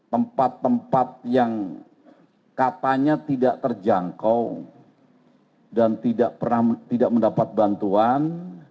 tempat tempat yang katanya tidak terjangkau dan tidak pernah tidak mendapat bantuan